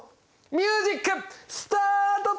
ミュージックスタート！